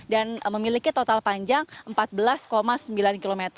dan memiliki total panjang empat belas sembilan km